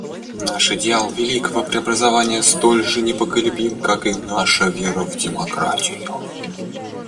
Наш идеал великого преобразования столь же непоколебим, как и наша вера в демократию.